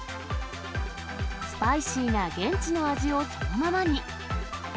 スパイシーな現地の味をそのままに。